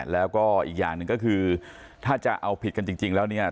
แล้วก็อีกอย่างหนึ่งก็คือถ้าจะเอาผิดกันจริงแล้วเนี่ย